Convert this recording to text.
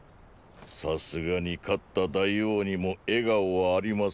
さすがに勝った大王にも笑顔はありませんな。